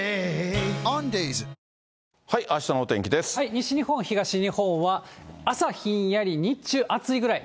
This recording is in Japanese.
西日本、東日本は、朝ひんやり、日中暑いぐらい。